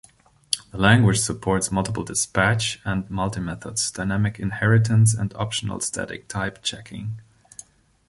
The language supports multiple dispatch and multimethods, dynamic inheritance, and optional static type checking.